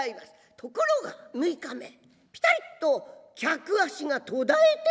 ところが６日目ピタリと客足が途絶えてしまいました。